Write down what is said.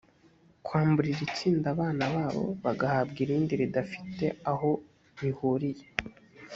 kwambura iri tsinda abana babo bagahabwa irindi ridafite aho bihuriye